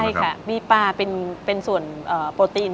ใช่ค่ะมีปลาเป็นส่วนโปรตีน